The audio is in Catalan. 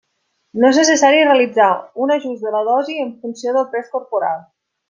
No és necessari realitzar un ajust de la dosi en funció del pes corporal.